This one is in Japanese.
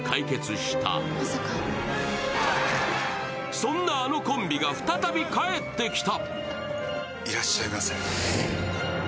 そんなあのコンビが再び帰ってきた。